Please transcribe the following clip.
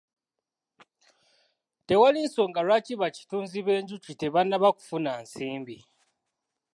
Tewali nsonga lwaki bakitunzi b'enjuki tebannaba kufuna nsimbi.